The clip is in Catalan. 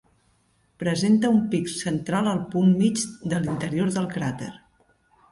Presenta un pic central al punt mig de l'interior del cràter.